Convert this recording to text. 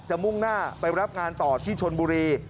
มุ่งหน้าไปรับงานต่อที่ชนบุรี